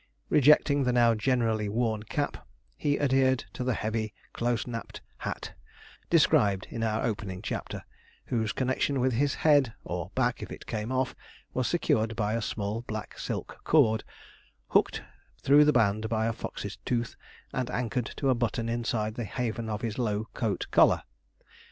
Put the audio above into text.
Rejecting the now generally worn cap, he adhered to the heavy, close napped hat, described in our opening chapter, whose connexion with his head, or back, if it came off, was secured by a small black silk cord, hooked through the band by a fox's tooth, and anchored to a button inside the haven of his low coat collar.